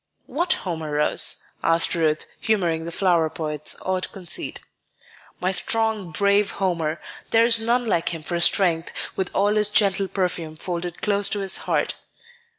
"What Homer rose?" asked Ruth, humoring the flower poet's odd conceit. "My strong, brave Homer. There is none like him for strength, with all his gentle perfume folded close to his heart.